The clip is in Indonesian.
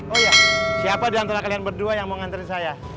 oh iya siapa diantara kalian berdua yang mau nganterin saya